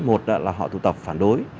một là họ tụ tập phản đối